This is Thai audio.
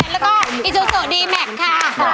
แล้วก็แล้วก็ค่ะ